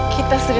kita sudah sampai